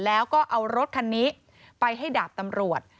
แล้วก็เอารถคันนี้ไปให้ดาบตำรวจ